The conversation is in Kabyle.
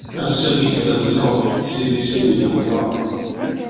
Ass-agi theddneɣ, s idis-iw yeḥdeṛ.